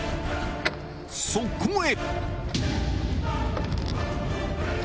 そこへ！